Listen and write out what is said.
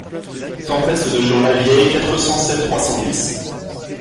Tempeste de gens Lavieille quatre cent sept trois cent dix.